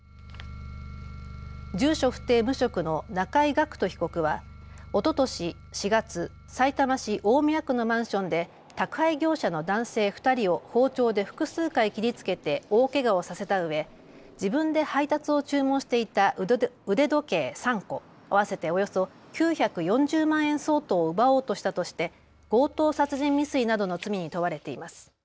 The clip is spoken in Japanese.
住所不定無職の中井楽人被告はおととし４月、さいたま市大宮区のマンションで宅配業者の男性２人を包丁で複数回切りつけて大けがをさせたうえ自分で配達を注文していた腕時計３個合わせておよそ９４０万円相当を奪おうとしたとして強盗殺人未遂などの罪に問われています。